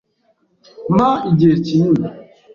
Mpa igihe kinini.